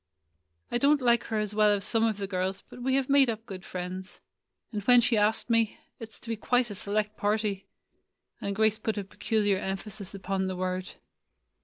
"I don't like her as well as some of the girls, but we have made up good friends. And when she asked me — it 's to be quite a select party," and Grace put a peculiar emphasis upon the word.